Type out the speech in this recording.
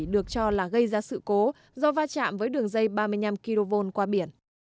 được cho là gây ra sự cố do va chạm với đường dây ba mươi năm kv qua biển